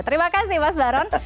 terima kasih mas baron